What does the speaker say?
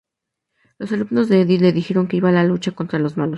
Los alumnos de Eddy le dijeron que iba a luchar contra los malos.